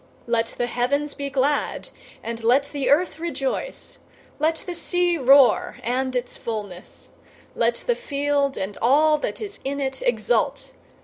096:011 Let the heavens be glad, and let the earth rejoice. Let the sea roar, and its fullness! 096:012 Let the field and all that is in it exult!